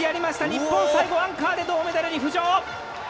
日本、最後アンカーで銅メダルに浮上！